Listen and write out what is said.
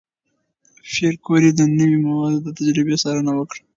پېیر کوري د نوې موادو د تجربې څارنه وکړه.